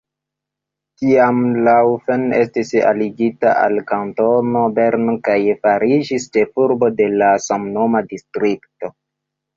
Tiam Laufen estis aligita al Kantono Berno kaj fariĝis ĉefurbo de la samnoma distrikto.